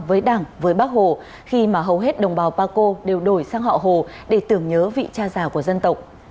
với đảng với bác hồ khi mà hầu hết đồng bào paco đều đổi sang họ hồ để tưởng nhớ vị cha già của dân tộc